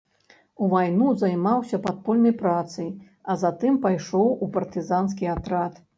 У вайну займаўся падпольнай працай, а затым пайшоў у партызанскі атрад.